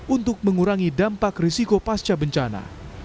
untuk mengurangi dampak risiko pasca bencana